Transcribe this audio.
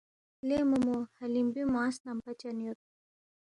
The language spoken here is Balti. لے مومو حلیمبی موانگ سنمپہ چن یود۔